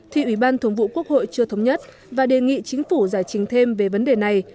thì ủy ban thường vụ quốc hội chưa thống nhất và đề nghị chính phủ giải trình thêm về vấn đề này